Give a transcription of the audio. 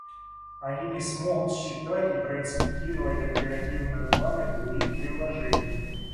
Они не смогут считать и проинспектировать оперативную память других приложений